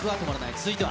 続いては。